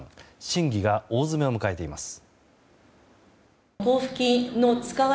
審議が大詰めを迎えています。